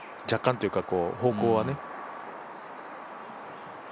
若干というか方向はね。